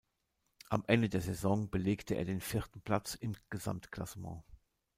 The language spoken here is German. Am Ende der Saison belegte er den vierten Platz im Gesamtklassement.